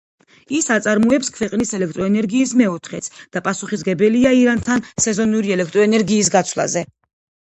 ის აწარმოებს ქვეყნის ელექტროენერგიის მეოთხედს და პასუხისმგებელია ირანთან სეზონური ელექტროენერგიის გაცვლაზე.